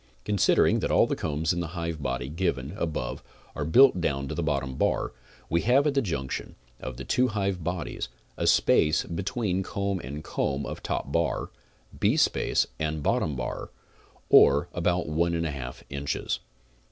Considering that all the combs in the hive body given above are built down to the bottom bar, we have at the junction of the two hive bodies, a space between comb and comb of top bar, beespace and bottom bar, or about one and one half inches.